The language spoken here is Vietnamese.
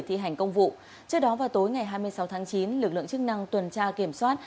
thi hành công vụ trước đó vào tối ngày hai mươi sáu tháng chín lực lượng chức năng tuần tra kiểm soát